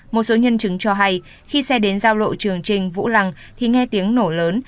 một số nhân chứng cho hay khi xe đến giao lộ trường trinh vũ lăng thì nghe tiếng nổ lớn